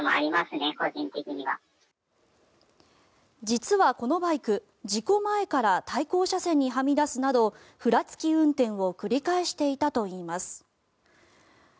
実はこのバイク、事故前から対向車線にはみ出すなどふらつき運転を繰り返していたといいます。